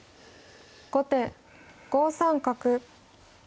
後手５三角。